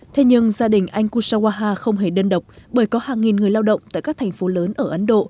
thế nhưng gia đình anh kushawaha không hề đơn độc bởi có hàng nghìn người lao động tại các thành phố lớn ở ấn độ